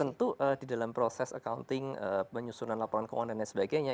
tentu di dalam proses accounting penyusunan laporan keuangan dan sebagainya